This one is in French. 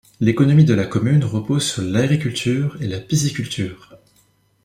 L'économie de la commune repose sur l'agriculture et la pisciculture.